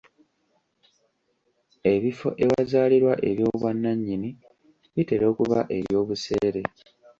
Ebifo ewazaalirwa eby'obwannannyini bitera okuba eby'obuseere.